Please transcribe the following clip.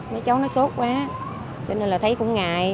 mấy cháu nó sốt quá cho nên là thấy cũng ngại